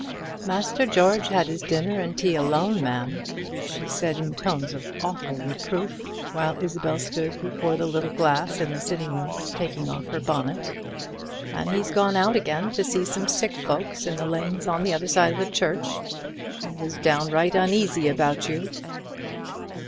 "Mr. George had his dinner and tea alone, ma'am," she said in tones of awful reproof, while Isabel stood before the little glass in the sitting room taking off her bonnet; "and he's gone out again to see some sick folks in the lanes on the other side of the church. He was right down uneasy about you."